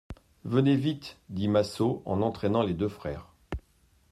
Venez vite, dit Massot en entraînant les deux frères.